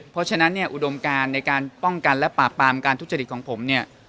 เพราะฉะนั้นเนี่ยอุดมการในการป้องกันและปราบปรามการทุจริตของผมเนี่ย